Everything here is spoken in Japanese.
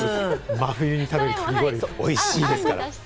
真冬に食べるのも、おいしいですから。